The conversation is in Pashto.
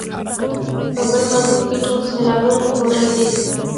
په بل غزل کې ټول سېلابونه پوره دي.